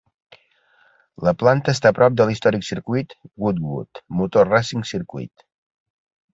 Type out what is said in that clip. La planta està a prop de l'històric circuit Goodwood Motor Racing Circuit.